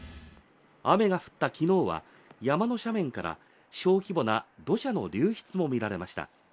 雨が降った昨日は山の斜面から小規模な土砂の流出も見られました。